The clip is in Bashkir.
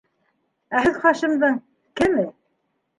Ә һеҙ Хашимдың... кеме?